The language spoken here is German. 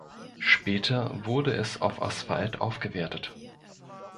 Später wurde es auf Asphalt aufgewertet.